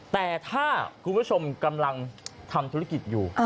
แต่ถ้าคุณผู้ชมกำลังทำธุรกิจอยู่